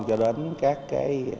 cho đến các cái